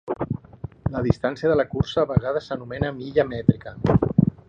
La distància de la cursa a vegades s'anomena milla mètrica.